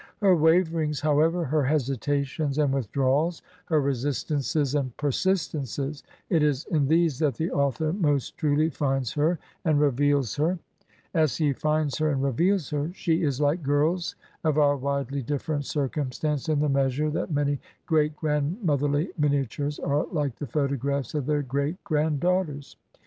Her waverings, however, her hesitations and withdrawals, her resistances and persistences, it is in these that the author most truly finds her and reveals 4 Digitized by VjOOQIC SOME NINETEENTH CENTURY HEROINES her. As he finds her and reveals her she is like girls of our widely different circtimstance in the measure that many great grandmotherly miniatures are like the photographs of their great granddaughters.